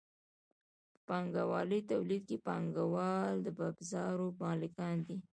په پانګوالي تولید کې پانګوال د ابزارو مالکان دي.